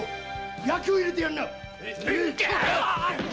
焼きを入れてやんな！